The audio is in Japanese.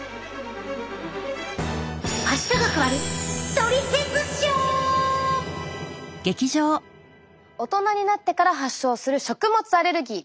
今宵大人になってから発症する食物アレルギー